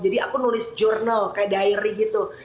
jadi aku nulis jurnal kayak diary gitu